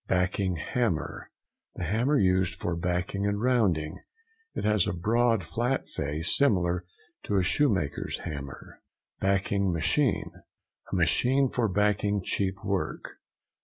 BACKING HAMMER.—The hammer used for backing and rounding; it has a broad flat face similar to a shoemaker's hammer. BACKING MACHINE.—A machine for backing cheap work.